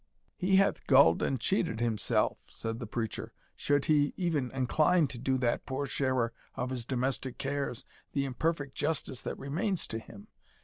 "He hath gulled and cheated himself," said the preacher, "should he even incline to do that poor sharer of his domestic cares the imperfect justice that remains to him.